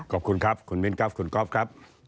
ขอบคุณครับคุณมิ้นครับคุณก๊อฟครับ